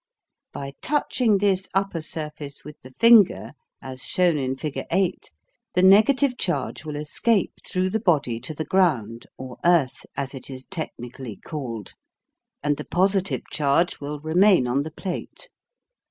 By touching this upper surface with the finger, as shown in figure 8, the negative charge will escape through the body to the ground or "earth," as it is technically called, and the positive charge will remain on the plate.